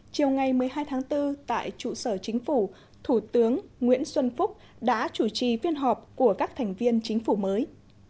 chiều ngày một mươi hai tháng bốn tại trụ sở chính phủ thủ tướng nguyễn xuân phúc đã chủ trì phiên họp của các thành viên chính phủ mới